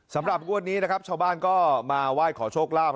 สำหรับวันนี้นะครับชาวบ้านก็มาไหว้ขอโชคลาบ